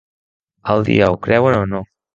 El dia ho creuen o no!